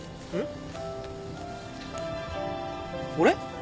俺？